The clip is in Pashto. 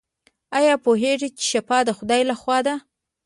ایا پوهیږئ چې شفا د خدای لخوا ده؟